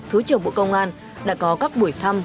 thứ trưởng bộ công an đã có các buổi thăm